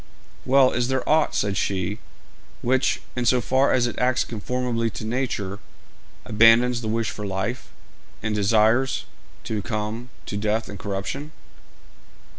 'Well, is there aught,' said she, 'which, in so far as it acts conformably to nature, abandons the wish for life, and desires to come to death and corruption?'